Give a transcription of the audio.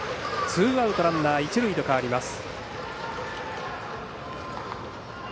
ツーアウトランナー、一塁と変わります。